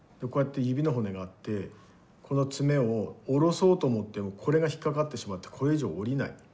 こうやって指の骨があってこの爪を下ろそうと思ってもこれが引っ掛かってしまってこれ以上下りない。